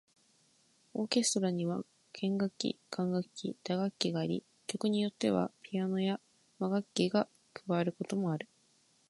オーケストラには弦楽器、管楽器、打楽器があり、曲によってはピアノや和楽器が加わることもある。